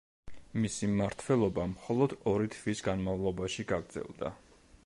მისი მმართველობა მხოლოდ ორი თვის განმავლობაში გაგრძელდა.